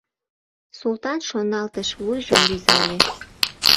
Султан шоналтыш, вуйжым рӱзале.